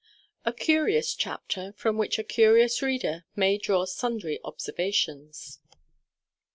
_A curious chapter, from which a curious reader may draw sundry observations.